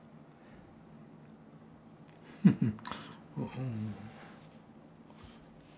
フフッ。